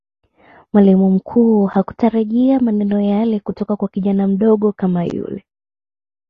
mwalimu mkuu hakutarajia maneno yale kutoka kwa kijana mdogo kama yule